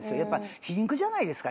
皮肉じゃないですか。